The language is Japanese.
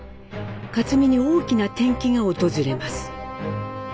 克実に大きな転機が訪れます。